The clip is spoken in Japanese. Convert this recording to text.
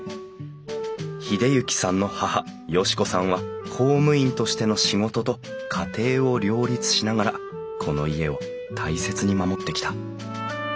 英之さんの母嘉子さんは公務員としての仕事と家庭を両立しながらこの家を大切に守ってきた。